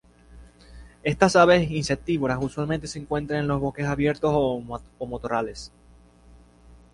Estas aves insectívoras usualmente se encuentran en los bosques abiertos o matorrales.